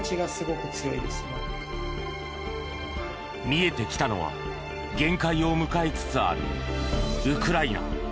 見えてきたのは限界を迎えつつあるウクライナ。